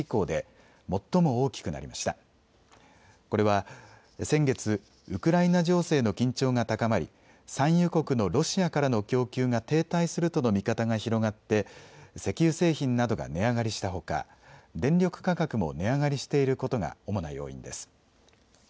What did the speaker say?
これは、先月、ウクライナ情勢の緊張が高まり、産油国のロシアからの供給が停滞するとの見方が広がって石油製品などが値上がりしたほか電力価格も値上がりしていることが主な要因です。